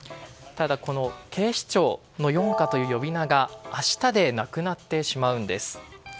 ただ警視庁の４課という呼び名が明日でなくなってしまうんです。